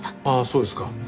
ああそうですか。